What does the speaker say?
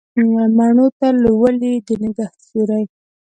مڼو ته لولي د نګهت سیوري